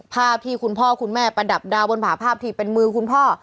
ภาพที่คุณพ่อคุณแม่ประดับดาวบนผ่าภาพที่เป็นมือคุณพ่อ